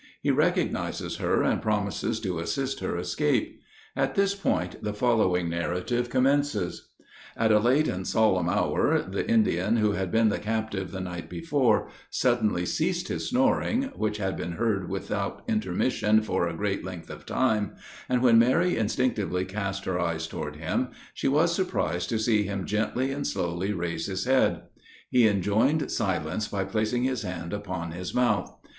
He recognizes her, and promises to assist her escape. At this point the following narrative commences: At a late and solemn hour, the Indian who had been the captive the night before, suddenly ceased his snoring, which had been heard without intermission for a great length of time; and when Mary instinctively cast her eyes toward him, she was surprised to see him gently and slowly raise his head. He enjoined silence by placing his hand upon his mouth.